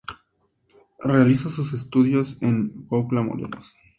Realizó sus estudios en Cuautla, Morelos.